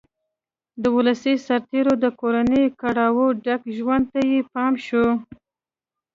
د ولسي سرتېرو د کورنیو کړاوه ډک ژوند ته یې پام شو